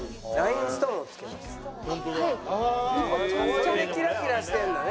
それでキラキラしてるんだね。